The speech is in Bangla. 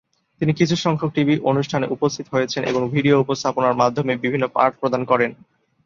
তিনি কিছু সংখ্যক টিভি অনুষ্ঠানে উপস্থিত হয়েছেন এবং ভিডিও উপস্থাপনার মাধ্যমে বিভিন্ন পাঠ প্রদান করেন।